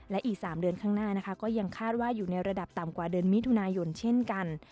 และอีก๓เดือนข้างหน้านะคะก็ยังคาดว่าอยู่ในระดับต่ำกว่าเดือนมิถุนายนเช่นกัน